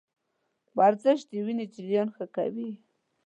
ورزش د وینې جریان ښه کوي.